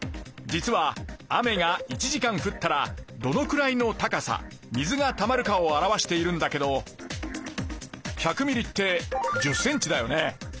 実は雨が１時間降ったらどのくらいの高さ水がたまるかを表しているんだけど１００ミリって１０ｃｍだよね。